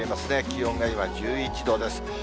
気温が今、１１度です。